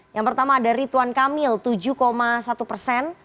yang pertama dari tuan kamil tujuh satu persen